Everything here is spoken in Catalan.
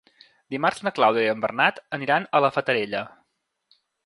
Dimarts na Clàudia i en Bernat aniran a la Fatarella.